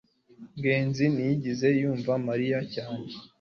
ngenzi ntiyigeze yumva mariya cyane